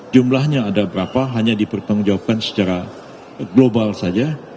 jumlahnya ada berapa hanya dipertanggungjawabkan secara global saja